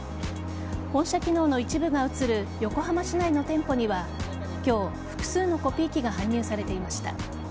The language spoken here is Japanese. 本社機能の一部が移る横浜市内の店舗には今日、複数のコピー機が搬入されていました。